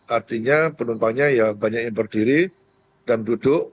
artinya penumpangnya ya banyak yang berdiri dan duduk